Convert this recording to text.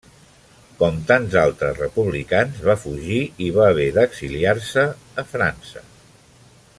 Com tants altres republicans, va fugir i va haver d'exiliar-se França.